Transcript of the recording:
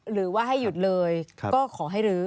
หรือว่าให้หยุดเลยก็ขอให้รื้อ